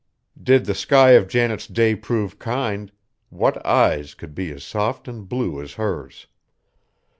Did the sky of Janet's day prove kind, what eyes could be as soft and blue as hers?